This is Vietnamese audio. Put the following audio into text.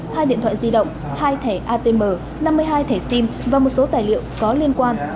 hai điện thoại di động hai thẻ atm năm mươi hai thẻ sim và một số tài liệu có liên quan